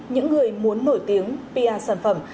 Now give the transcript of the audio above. những người muốn nổi tiếng pr sản phẩm